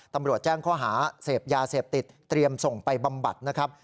ตำรวจแจ้งข้อหาเสพยาเสพติดเตรียมส่งไปบำบัดนะครับ